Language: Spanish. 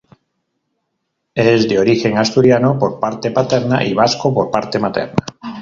Es de origen asturiano por parte paterna y vasco por parte materna.